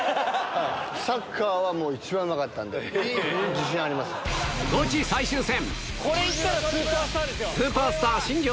サッカーはもう、一番うまかったゴチ最終戦。